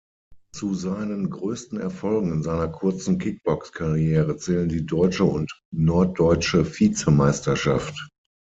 Zu seinen größten Erfolgen in seiner kurzen Kick-Box-Karriere zählen die Deutsche und Norddeutsche Vize-Meisterschaft.